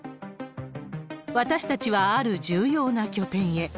私たちは、ある重要な拠点へ。